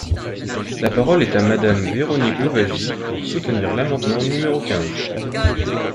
La parole est à Madame Véronique Louwagie, pour soutenir l’amendement numéro quinze.